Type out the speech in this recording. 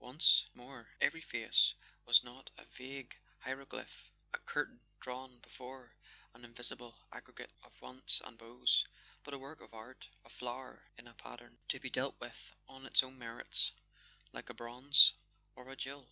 Once more every face was not a vague hieroglyph, a curtain drawn before an invisible aggre¬ gate of wants and woes, but a work of art, a flower in a pattern, to be dealt with on its own merits, like a bronze or a jewel.